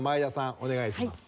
お願いします。